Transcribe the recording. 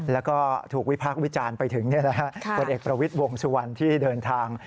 แล้วก็ถูกวิพากษ์วิจารณ์ไปถึงผลเอกประวิทย์วงสุวรรณที่เดินทาง